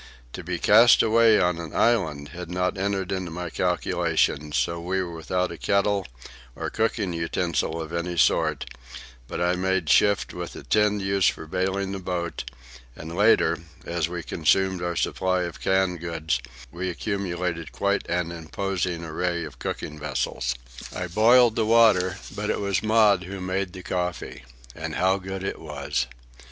To be cast away on an island had not entered into my calculations, so we were without a kettle or cooking utensils of any sort; but I made shift with the tin used for bailing the boat, and later, as we consumed our supply of canned goods, we accumulated quite an imposing array of cooking vessels. I boiled the water, but it was Maud who made the coffee. And how good it was!